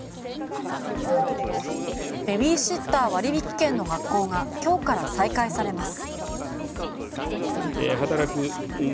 ベビーシッター割引券の発行が今日から再開されます。